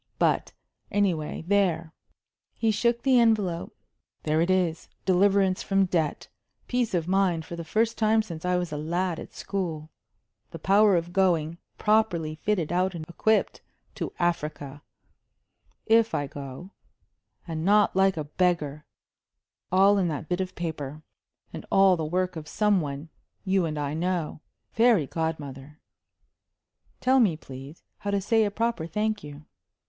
But, anyway, there" he shook the envelope "there it is deliverance from debt peace of mind for the first time since I was a lad at school the power of going, properly fitted out and equipped, to Africa if I go and not like a beggar all in that bit of paper, and all the work of some one you and I know. Fairy godmother! tell me, please, how to say a proper thank you."